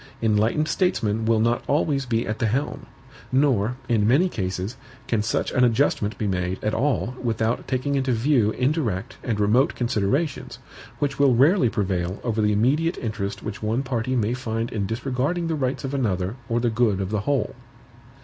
Enlightened statesmen will not always be at the helm. Nor, in many cases, can such an adjustment be made at all without taking into view indirect and remote considerations, which will rarely prevail over the immediate interest which one party may find in disregarding the rights of another or the good of the whole.